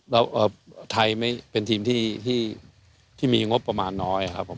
แล้วไทยเป็นทีมที่มีงบประมาณน้อยครับผม